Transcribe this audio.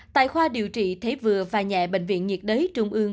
tại khoa điều trị thế vừa và nhẹ bệnh viện nhiệt đới trung ương